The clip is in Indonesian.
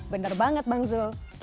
bener banget bangzul